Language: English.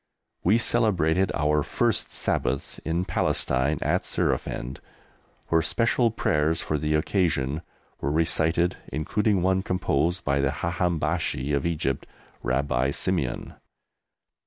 We celebrated our first Sabbath in Palestine at Surafend, where special prayers for the occasion were recited, including one composed by the Haham Bashi of Egypt, Rabbi Simeon.